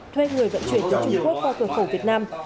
thuê người vận chuyển từ trung quốc qua cửa khẩu việt nam